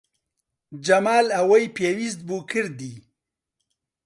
جەمال ئەوەی پێویست بوو کردی.